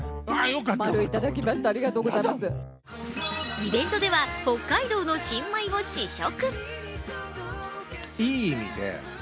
イベントでは北海道の新米を試食。